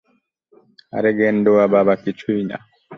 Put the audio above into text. আরে গেন্ডয়া বাবা কিছুই না।